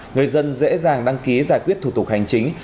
người dân dễ dàng đăng ký giải quyết thủ tục hành chính